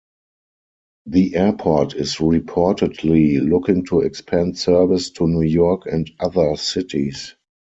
The airport is reportedly looking to expand service to New York and other cities.